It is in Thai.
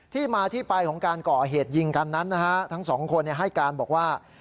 ที่มาที่ไปของการก่อเหตุยิงกันนั้นนะฮะทั้งสองคนให้การบอกว่า